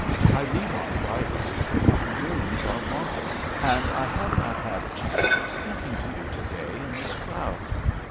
I leave on Friday ; my rooms are wanted, and I have not had a chance of speaking to you to day in this crowd."